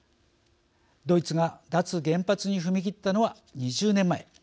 ドイツが脱原発に踏み切ったのは２０年前。